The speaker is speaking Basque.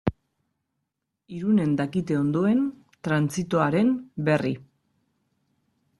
Irunen dakite ondoen trantsitoaren berri.